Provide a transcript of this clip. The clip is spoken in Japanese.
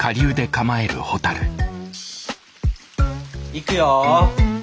行くよ。